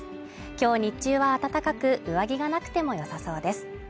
今日日中は暖かく上着がなくても良さそうです